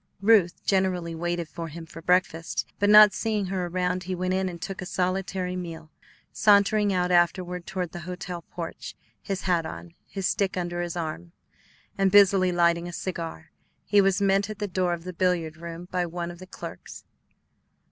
Ruth generally waited for him for breakfast, but not seeing her around, he went in and took a solitary meal. Sauntering out afterward toward the hotel porch, his hat on, his stick under his are, and busily lighting a cigar, he was met at the door of the billiard room by one of the clerks.